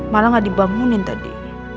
malah nggak dibangunin tadi